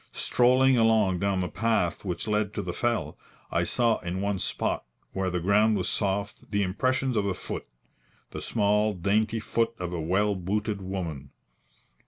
Strolling along down the path which led to the fell, I saw in one spot where the ground was soft the impressions of a foot the small, dainty foot of a well booted woman.